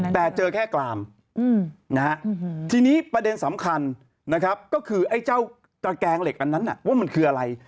แต่เจอแค่กรามทีนี้ประเด็นสำคัญนะครับก็คือไอ้เจ้าตระแกงเหล็กอันนั้นว่ามันคืออะไร